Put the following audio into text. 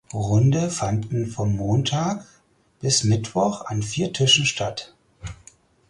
Runde fanden von Montag bis Mittwoch an vier Tischen statt.